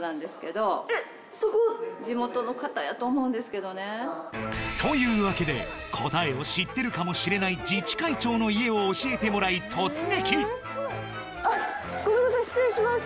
そこ地元の方やと思うんですけどねというわけで答えを知ってるかもしれない自治会長の家を教えてもらい突撃ごめんなさい失礼します